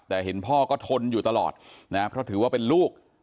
แต่เห็นพ่อก็ทนอยู่ตลอดนะเพราะถือว่าเป็นลูก